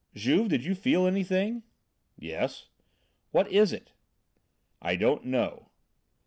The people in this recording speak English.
"Juve! did you feel anything?" "Yes." "What is it?" "I don't know."